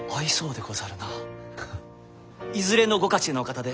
いずれのご家中のお方で？